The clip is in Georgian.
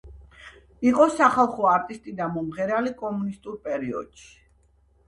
იყო სახალხო არტისტი და მომღერალი კომუნისტურ პერიოდში.